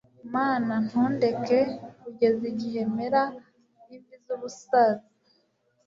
mana, ntundeke kugeza igihe mera imvi z'ubusaza